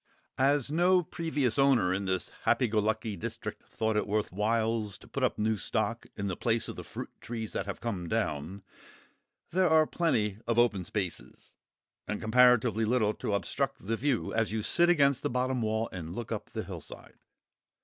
As no previous owner in this happy go lucky district thought it worth whiles to put new stock in the place of the fruit trees that have come down, there are plenty of open spaces, and comparatively little to obstruct the view as you sit against the bottom wall and look up the hillside.